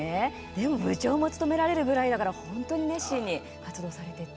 でも部長も務められるぐらいだから本当に熱心に活動されてて。